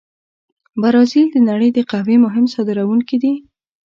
برازیل د نړۍ د قهوې مهم صادرونکي دي.